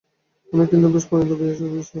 অনেকে কিন্তু বেশ পরিণত বয়সেই বিবাহ করে।